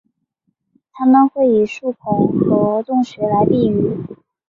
它们会以树孔或洞穴来避雨。